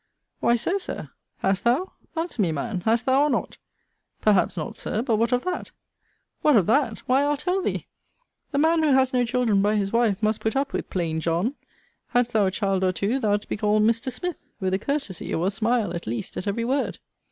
Why so, Sir? Hast thou? Answer me, man: Hast thou, or not? Perhaps not, Sir. But what of that? What of that? Why I'll tell thee: The man who has no children by his wife must put up with plain John. Hadst thou a child or two, thou'dst be called Mr. Smith, with a courtesy, or a smile at least, at every word.